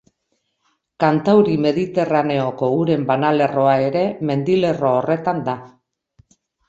Kantauri-Mediterraneoko uren banalerroa ere mendilerro horretan da.